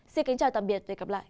xin kính chào và tạm biệt